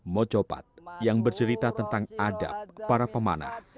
mocopat yang bercerita tentang adab para pemanah